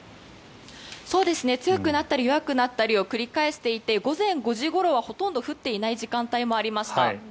強くなったり弱くなったりを繰り返していて午前５時ごろはほとんど降っていない時間帯もありました。